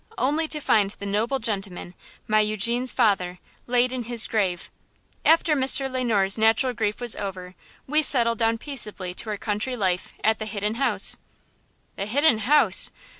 only to find the noble gentleman, my Eugene's father, laid in his grave. After Mr. Le Noir's natural grief was over we settled down peaceably to our country life at the Hidden House–" "The Hidden House!"